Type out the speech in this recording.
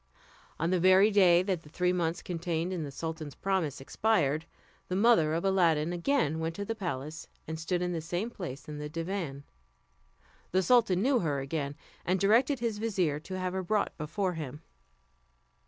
On the very day that the three months contained in the sultan's promise expired, the mother of Aladdin again went to the palace, and stood in the same place in the divan. The sultan knew her again, and directed his vizier to have her brought before him.